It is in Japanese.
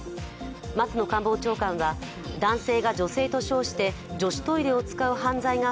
松野官房長官は男性が女性と称して女子トイレを使う犯罪が